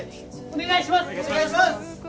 お願いします！